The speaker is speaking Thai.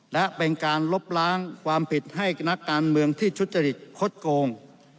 และเป็นการลบล้างความผิดให้นักการเมืองที่ทุจริตคดโกง